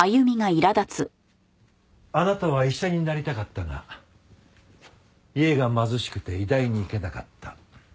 あなたは医者になりたかったが家が貧しくて医大に行けなかった。